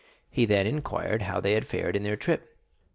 He then inquired how they had fared in their trip.